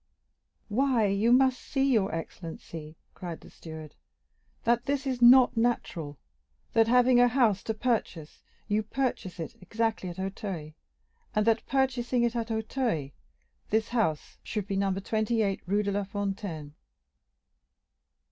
"Why, you must see, your excellency," cried the steward, "that this is not natural; that, having a house to purchase, you purchase it exactly at Auteuil, and that, purchasing it at Auteuil, this house should be No. 28, Rue de la Fontaine.